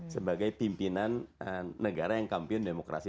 sebagai pimpinan negara yang kampiun demokrasi